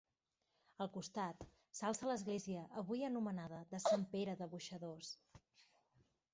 Al costat, s'alça l'església avui anomenada de Sant Pere de Boixadors.